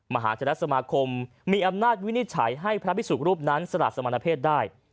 มหาชนสมาคมมีอำนาจวินิจฉัยให้พระพิสุกรูปนั้นสละสมณเพศได้